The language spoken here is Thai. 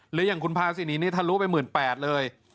หรืออย่างคุณพาสินีถลุไปหมื่นแปดเลย